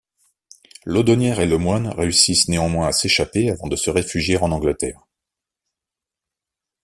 Laudonnière et Le Moyne réussissent néanmoins à s’échapper avant de se réfugier en Angleterre.